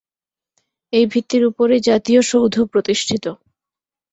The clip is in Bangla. এই ভিত্তির উপরই জাতীয় সৌধ প্রতিষ্ঠিত।